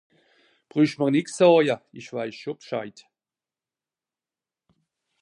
Brüch mer nix ze saje, isch weiss scho B'scheid!